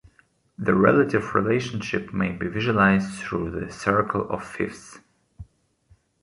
The relative relationship may be visualized through the circle of fifths.